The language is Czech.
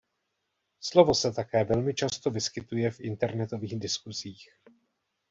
Slovo se také velmi často vyskytuje v internetových diskusích.